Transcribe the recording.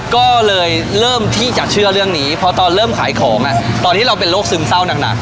ก็เลยเริ่มที่จะเชื่อเรื่องนี้เพราะตอนเริ่มขายของตอนที่เราเป็นโรคซึมเศร้าหนัก